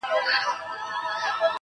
په کومه ورځ چي مي ستا پښو ته سجده وکړله,